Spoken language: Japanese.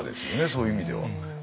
そういう意味では。